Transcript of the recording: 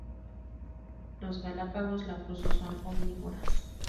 Los Galápagos leprosos son omnívoras.